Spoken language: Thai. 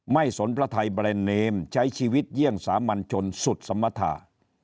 สนพระไทยแบรนด์เนมใช้ชีวิตเยี่ยงสามัญชนสุดสมธา